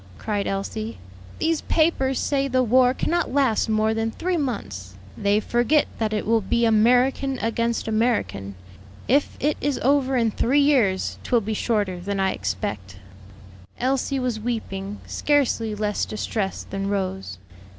cried Elsie; "these papers say the war cannot last more than three months." "They forget that it will be American against American. If it is over in three years, 'twill be shorter than I expect." Elsie was weeping, scarcely less distressed than Rose.